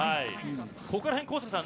ここら辺、高阪さん